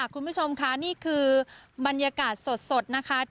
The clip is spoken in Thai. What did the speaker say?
คุณผู้ชมค่ะนี่คือบรรยากาศสดนะคะ